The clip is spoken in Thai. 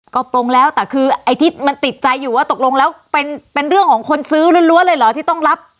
ก็ปลงแล้วแต่คือไอ้ที่มันติดใจอยู่ว่าตกลงแล้วเป็นเรื่องของคนซื้อล้วนเลยเหรอที่ต้องรับ